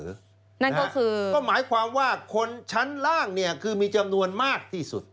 นั่นก็คือก็หมายความว่าคนชั้นล่างเนี่ยคือมีจำนวนมากที่สุด